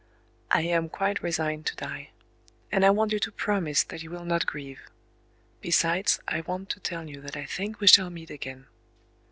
I am quite resigned to die; and I want you to promise that you will not grieve... Besides, I want to tell you that I think we shall meet again."...